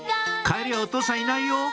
帰りはお父さんいないよ